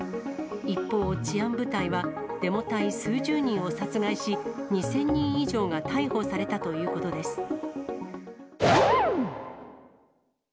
一方、治安部隊はデモ隊数十人を殺害し、２０００人以上が逮捕されたということです。